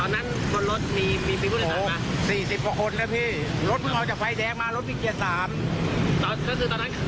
นายสมศักดิ์มั่นคงต้องคิดว่าวันออภัยเกินไปช่วงในศาสตร์